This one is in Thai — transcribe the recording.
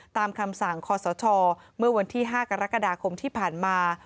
ตามคำสั่งคอสชเมื่อวันที่๕กรกฎาคมที่ผ่านมา